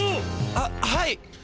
あっはい！